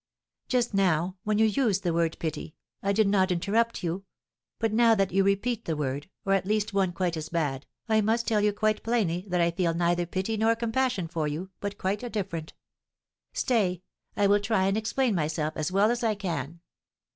"Just now, when you used the word pity, I did not interrupt you; but now that you repeat the word, or at least one quite as bad, I must tell you quite plainly that I feel neither pity nor compassion for you, but quite a different Stay, I will try and explain myself as well as I can.